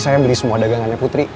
saya beli semua dagangannya putri